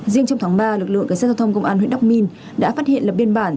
riêng trong tháng ba lực lượng cảnh sát giao thông công an huyện đắc minh đã phát hiện lập biên bản